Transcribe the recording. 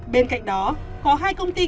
bên cạnh đó có hai công ty